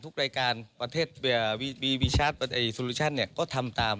ทุกรายการประเทศวีชาร์ดก็ทำตาม